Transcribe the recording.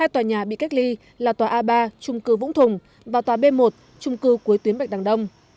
hai tòa nhà bị cách ly là tòa a ba trung cư vũng thùng và tòa b một trung cư cuối tuyến bạch đằng đông